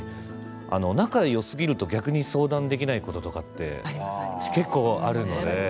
仲よすぎると逆に相談できないこととかって結構あるので。